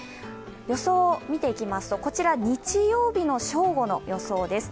予想を見ていきますと、こちら、日曜日の正午の予想です。